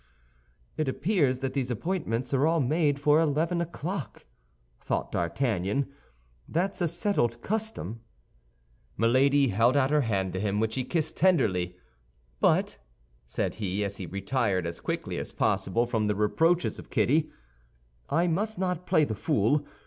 "It appears that these appointments are all made for eleven o'clock," thought D'Artagnan; "that's a settled custom." Milady held out her hand to him, which he kissed tenderly. "But," said he, as he retired as quickly as possible from the reproaches of Kitty, "I must not play the fool.